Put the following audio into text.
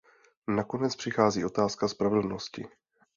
Nakonec přichází otázka spravedlnosti.